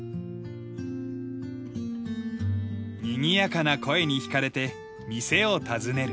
にぎやかな声に引かれて店を訪ねる。